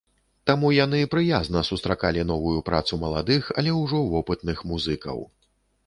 Таму яны прыязна сустракалі новую працу маладых, але ужо вопытных музыкаў.